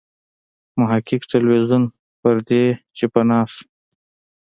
محقق له ټلویزیون پردې چې پناه شو.